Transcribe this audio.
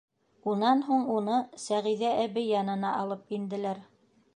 Унан һуң уны Сәғиҙә әбей янына алып инделәр.